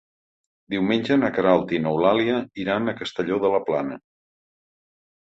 Diumenge na Queralt i n'Eulàlia iran a Castelló de la Plana.